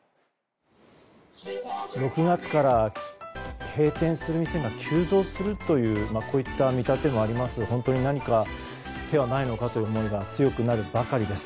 ６月から閉店する店が急増するというこういった見立てもありますが本当に何か手はないのかという思いが強くなるばかりです。